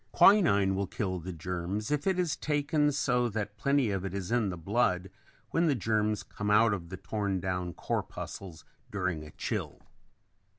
Quinine will kill the germs if it is taken so that plenty of it is in the blood when the germs come out of the torn down corpuscles during a chill.